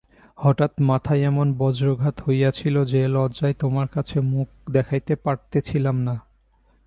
হঠাৎ মাথায় এমন বজ্রাঘাত হইয়াছিল যে, লজ্জায় তোমার কাছে মুখ দেখাইতে পারিতেছিলাম না।